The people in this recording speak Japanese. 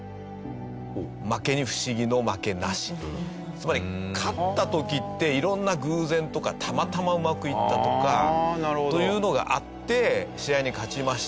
つまり勝った時っていろんな偶然とかたまたまうまくいったとかというのがあって試合に勝ちました。